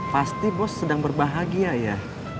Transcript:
pasti bos sedang berbahagia ya